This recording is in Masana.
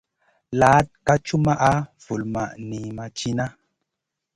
Laaɗ ka cumaʼa, vulmaʼ niyn ma cina.